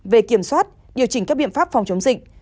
về kiểm soát điều chỉnh các biện pháp phòng chống dịch